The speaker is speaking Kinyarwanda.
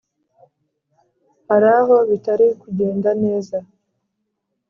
hari aho bitari kugenda neza.